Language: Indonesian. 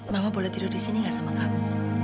mama boleh tidur di sini gak sama kamu